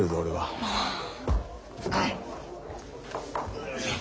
よいしょ。